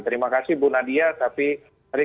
terima kasih bu nadia tapi hari